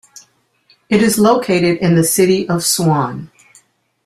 It is located in the City of Swan.